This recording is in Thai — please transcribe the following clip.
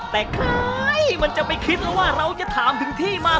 แต่ใครมันจะไปคิดแล้วว่าเราจะถามถึงที่มา